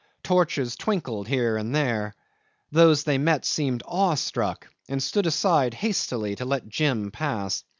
Torches twinkled here and there. Those they met seemed awestruck, and stood aside hastily to let Jim pass.